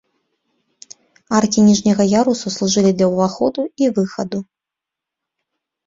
Аркі ніжняга яруса служылі для ўваходу і выхаду.